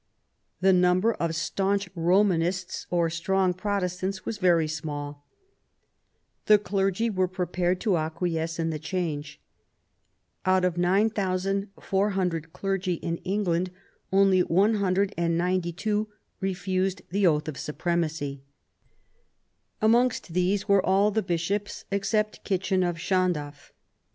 The number of staunch Romanists or strong Protestants was very small. The clergy were prepared to acquiesce in the change. Out of 9400 clergy in England, only 192 refused the oath of supremacy. Amongst these were all the Bishops, except Kitchin of Llandaff.